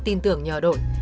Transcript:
tin tưởng nhờ đổi